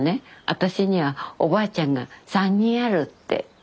「私にはおばあちゃんが３人ある」って。